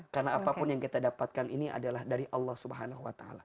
karena apapun yang kita dapatkan ini adalah dari allah swt